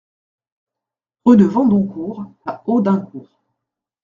Rue de Vandoncourt à Audincourt